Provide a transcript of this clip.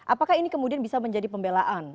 apakah ini kemudian bisa menjadi pembelaan